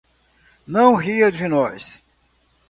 Não ria de nós!